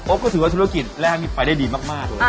โอ๊คก็ถือว่าธุรกิจแรกมีฝ่ายได้ดีมาก